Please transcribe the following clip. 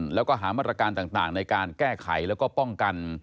แล้วก็หามาตรการต่างในการแก้ไขแล้วก็ป้องกัน